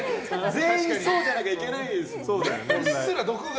全員そうじゃなきゃいけないですもんね。